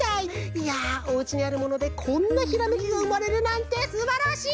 いやおうちにあるものでこんなひらめきがうまれるなんてすばらしい！